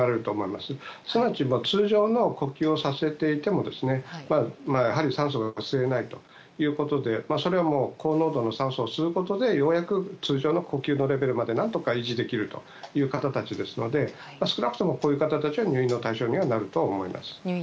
すなわち通常の呼吸をさせていても酸素が吸えないということでそれは高濃度の酸素を吸うことでようやく通常の呼吸のレベルまで何とか維持できるという方たちですので少なくとも、こういう方たちは入院の対象となると思います。